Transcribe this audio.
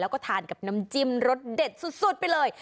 แล้วก็ทานกับน้ำจิ้มรสเด็ดสุดไปเลย